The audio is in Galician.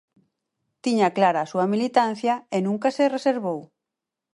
Tiña clara a súa militancia, e nunca se reservou.